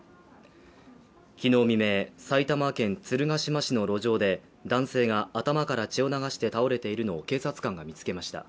昨日未明、埼玉県鶴ヶ島市の路上で男性が頭から血を流して倒れているのを警察官が見つけました。